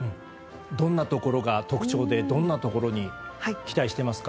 どんなところが特徴でどんなところに期待してますか。